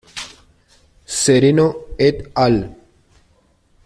Sereno "et al.".